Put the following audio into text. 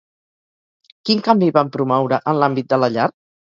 Quin canvi van promoure en l'àmbit de la llar?